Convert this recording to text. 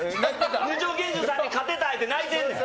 ２丁拳銃さんに勝てた言うて泣いてんねん。